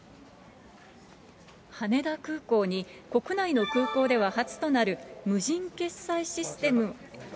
羽田空港に国内の空港では初となる、無人決済システム。